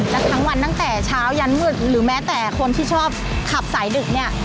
และทั้งวันตั้งแต่เช้ายันมืดหรือแม้แต่คนที่ชอบขับสายดึกเนี่ย